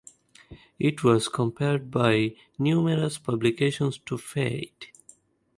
It was compared by numerous publications to "Fade".